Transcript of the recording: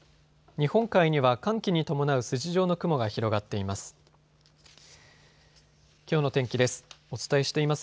日本海には寒気に伴う筋状の雲が広がっています。